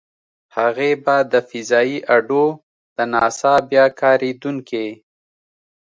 هغې به د فضايي اډو - د ناسا بیا کارېدونکې.